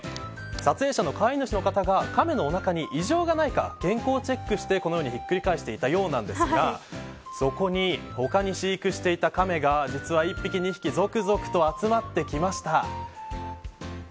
撮影者の飼い主の方が亀のお腹に異常がないか健康チェックをして、このように引っくり返していたそうなんですがそこに他に飼育していたカメが実は１匹、２匹続々と集まってきました。